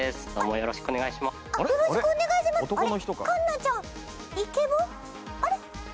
よろしくお願いしますあれ？